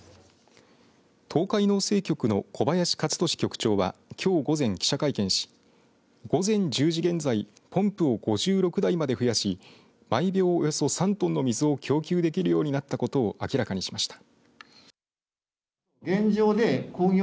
東海農政局の小林勝利局長はきょう午前、記者会見し午前１０時現在ポンプを５６台まで増やし毎秒およそ３トンの水を供給できるようになったことを明らかにしました。